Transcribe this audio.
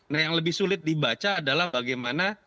nah yang lebih sulit dibaca adalah bagaimana